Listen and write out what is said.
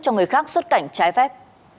cho người khác xuất cảnh trái phép